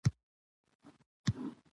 سیاسي مشارکت د ټولنې یووالی زیاتوي